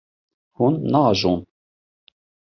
Hûn naajon.